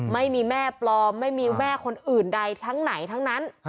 ไม่มีแม่ปลอมไม่มีแม่คนอื่นใดทั้งไหนทั้งนั้น